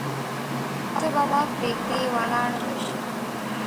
ته به ما پریږدې ولاړه به شې